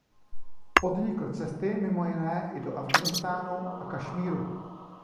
Podnikl cesty mimo jiné i do Afghánistánu a Kašmíru.